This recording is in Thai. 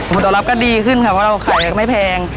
ผลตอบรับก็ดีขึ้นค่ะเพราะเราขายก็ไม่แพง